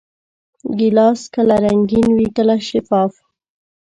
ګیلاس کله رنګین وي، کله شفاف.